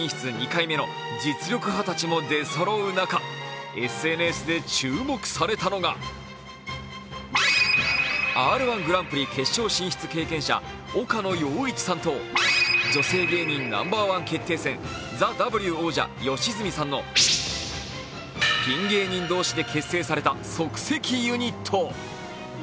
２回目の実力派たちも出そろう中、ＳＮＳで注目されたのがＲ−１ぐらんぷり決勝進出経験者、岡野陽一さんと女性芸人ナンバーワン決定戦「ＴＨＥＷ」王者、吉住さんのピン芸人同士で結成された即席ユニット。